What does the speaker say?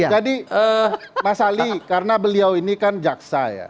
jadi mas ali karena beliau ini kan jaksa ya